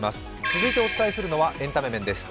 続いてお伝えするのはエンタメ面です。